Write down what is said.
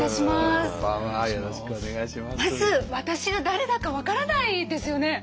まず私が誰だか分からないですよね？